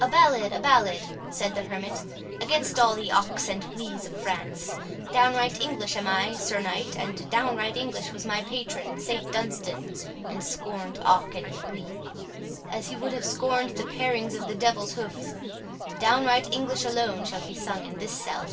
23 "A ballad, a ballad," said the hermit, "against all the 'ocs' and 'ouis' of France. Downright English am I, Sir Knight, and downright English was my patron St Dunstan, and scorned 'oc' and 'oui', as he would have scorned the parings of the devil's hoof—downright English alone shall be sung in this cell."